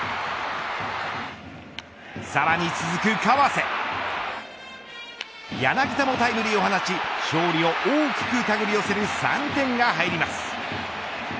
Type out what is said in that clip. さらに続く川瀬柳田もタイムリーを放ち勝利を大きくたぐり寄せる３点が入ります。